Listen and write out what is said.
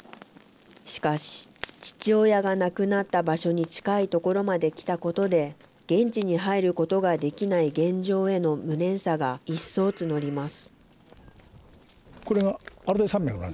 しかし、父親が亡くなった場所に近いところまで来たことで、現地に入ることができない現状への無念さが一層募ります。